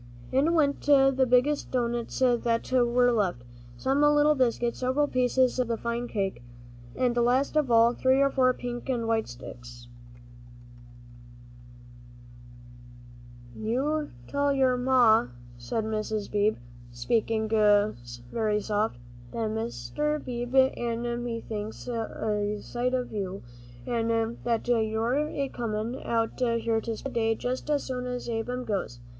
In went the biggest doughnuts that were left, some little biscuits, several pieces of the fine cake, and last of all, three or four pink and white sticks. "You tell your Ma," said Mrs. Beebe, speaking very soft, "that Mr. Beebe an' me thinks a sight o' you, an' that you're a comin' out here to spend the day just as soon as Ab'm goes.